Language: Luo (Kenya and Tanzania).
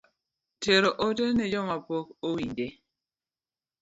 Tero ote ne jomapok owinje